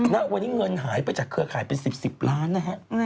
ณวันนี้เงินหายไปจากเครือข่ายเป็น๑๐๑๐ล้านนะฮะ